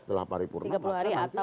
setelah nanti undang undang ini berlaku